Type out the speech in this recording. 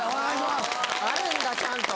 あるんだちゃんと。